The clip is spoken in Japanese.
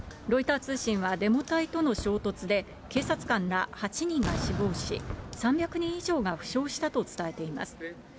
ロイター通信はデモ隊との衝突で、警察官ら８人が死亡し、３００人以上が負傷したと伝えています。